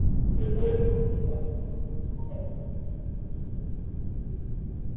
Richard Francis বার্টনের মতে তিনি আরবদের মধ্যে সবচেয়ে সহানুভূতিশীল হিসাবে স্বীকৃত।